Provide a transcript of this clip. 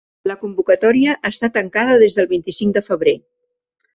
La convocatòria està tancada des del vint-i-cinc de febrer.